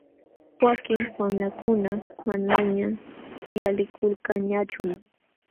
Wakin wamlakuna manañaq uyalikulkanñachum.